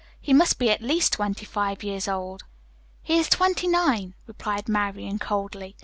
He must be at least twenty five years old." "He is twenty nine," replied Marian coldly.